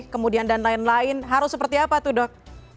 kemudian dan lain lain harus seperti apa tuh dok